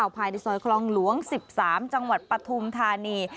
ภายในซอยคลองหลวง๑๓จังหวัดปฐุมธานี